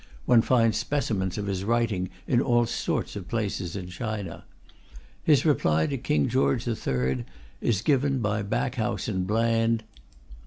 (One finds specimens of his writing in all sorts of places in China.) His reply to King George III is given by Backhouse and Bland.